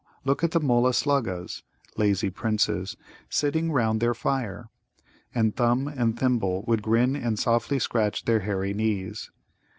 look at the Mulla sluggas [lazy princes] sitting round their fire!" And Thumb and Thimble would grin and softly scratch their hairy knees.